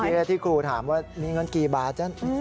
เมื่อกี้ที่ครูถามว่ามีเงินกี่บาทจะ